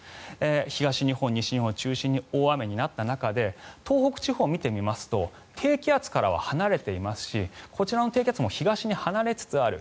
東日本、西日本を中心に大雨になった中で東北地方を見てみますと低気圧からは離れていますしこちらの低気圧も東に離れつつある。